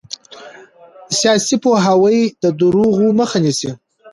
سیاسي پوهاوی د دروغو مخه نیسي